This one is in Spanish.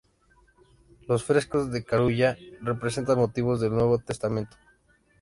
Los frescos de Carulla representan motivos del Nuevo Testamento.